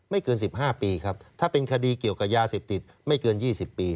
เกิน๑๕ปีครับถ้าเป็นคดีเกี่ยวกับยาเสพติดไม่เกิน๒๐ปี